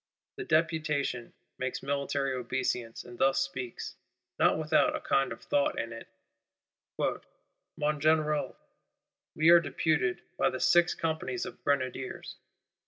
The Deputation makes military obeisance; and thus speaks, not without a kind of thought in it: 'Mon Général, we are deputed by the Six Companies of Grenadiers.